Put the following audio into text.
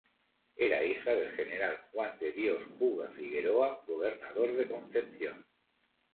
Era hija del General Juan de Dios Puga Figueroa, Gobernador de Concepción.